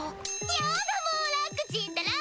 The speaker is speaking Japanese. やだもうラックちんったら！